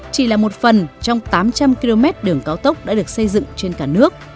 chỉ là một phần trong tám trăm linh km đường cao tốc đã được xây dựng trên cả nước